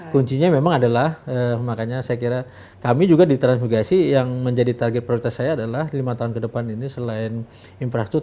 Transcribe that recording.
kuncinya memang adalah makanya saya kira kami juga di transmigrasi yang menjadi target prioritas saya adalah lima tahun ke depan ini selain infrastruktur